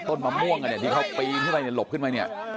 ต้นมะม่วงอะนี่ที่เขาปีนไปแล้วลบขึ้นมาเนี่ย